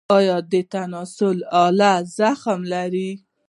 ایا د تناسلي آلې زخم لرئ؟